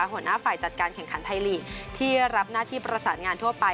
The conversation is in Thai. หัวหน้าฝ่ายจัดการแข่งขันไทยลีกที่รับหน้าที่ประสานงานทั่วไป